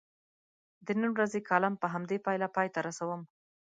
د نن ورځې کالم په همدې پایله پای ته رسوم.